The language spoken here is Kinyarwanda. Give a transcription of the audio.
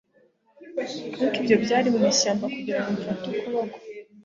Ariko ibyo byari mwishyamba kugirango mfate ukuboko